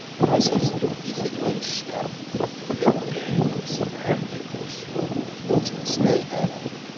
Ɣas yesdukel-iten wanect-a n lebɣi d umsefham deg wussu, ur ttmeslayen ara.